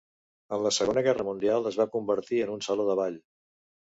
En la Segona Guerra Mundial es va convertir en un saló de ball.